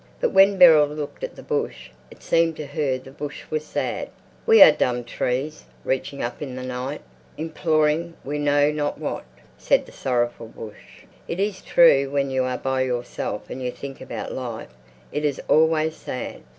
But when Beryl looked at the bush, it seemed to her the bush was sad. "We are dumb trees, reaching up in the night, imploring we know not what," said the sorrowful bush. It is true when you are by yourself and you think about life, it is always sad.